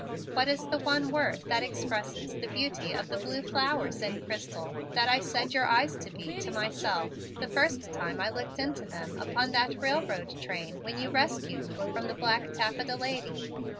What is the one word that expresses the beauty of the blue flowers in crystal that I said your eyes to be, to myself, the first time I looked into them upon that railroad train when you rescued me from the black taffeta lady?"